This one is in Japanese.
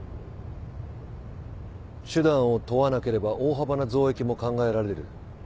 手段を問わなければ大幅な増益も考えられる。